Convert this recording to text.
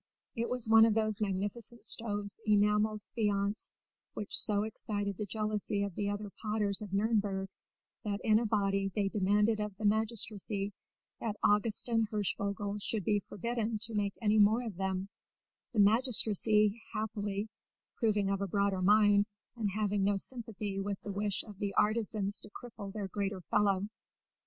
It was one of those magnificent stoves in enamelled faïence which so excited the jealousy of the other potters of Nürnberg that in a body they demanded of the magistracy that Augustin Hirschvogel should be forbidden to make any more of them the magistracy, happily, proving of a broader mind, and having no sympathy with the wish of the artisans to cripple their greater fellow.